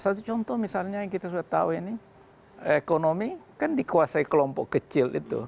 satu contoh misalnya yang kita sudah tahu ini ekonomi kan dikuasai kelompok kecil itu